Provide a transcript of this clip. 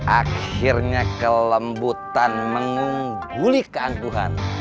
akhirnya kelembutan mengunggulikan tuhan